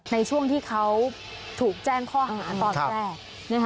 ในช่วงที่เขาถูกแจ้งข้อหาตอนแรก